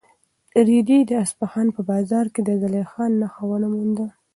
رېدي د اصفهان په بازار کې د زلیخا نښه ونه مونده.